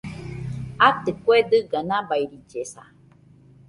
Atɨ , kue dɨga nabairillesa